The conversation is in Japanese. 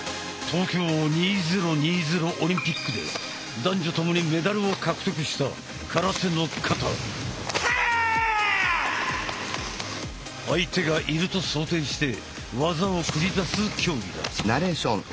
東京２０２０オリンピックで男女共にメダルを獲得した相手がいると想定して技を繰り出す競技だ。